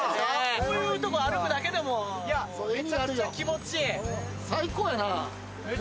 こういうとこ歩くだけでも、めちゃくちゃ気持ちいい。